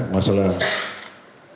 masalah tim sukses itu